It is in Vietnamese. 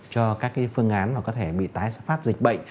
cho các phương án có thể bị tái phát dịch bệnh